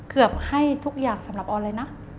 เกือบให้ทุกอย่างสำหรับออนเลยนะ